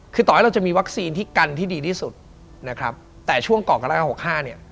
คือต่อให้เราจะมีวัคซีนที่กันที่ดีที่สุดนะครับแต่ช่วงก่อนกราหกห้าเนี่ย